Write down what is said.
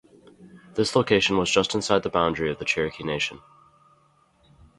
This location was just inside the boundary of the Cherokee nation.